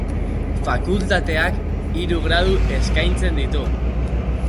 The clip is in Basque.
Fakultateak hiru gradu eskaintzen ditu.